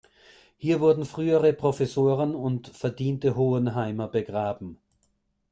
Hier wurden frühere Professoren und verdiente Hohenheimer begraben.